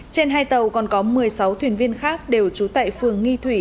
trên hai tàu còn có một mươi sáu thuyền viên khác đều trú tại phường nghi thủy